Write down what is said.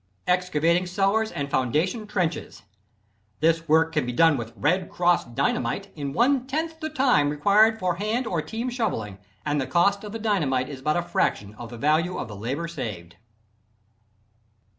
Excavating Cellars and Foundation Trenches. This work can be done with "Red Cross" Dynamite in one tenth the time required for hand and team shoveling, and the cost of the dynamite is but a fraction of the value of the labor saved.